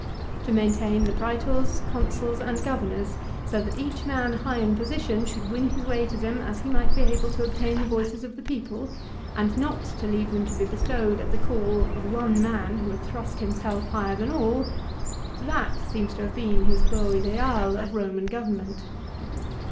To maintain the Praetors, Consuls, and Governors, so that each man high in position should win his way to them as he might be able to obtain the voices of the people, and not to leave them to be bestowed at the call of one man who had thrust himself higher than all, that seems to have been his beau ideal of Eoman government.